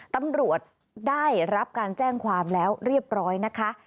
ตำรวจได้รับการแจ้งความแล้วเรียบร้อยนะคะ